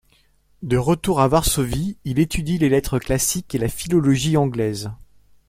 De retour à Varsovie, il étudie les lettres classiques et la philologie anglaise.